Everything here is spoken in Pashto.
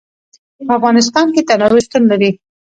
په افغانستان کې تنوع شتون لري.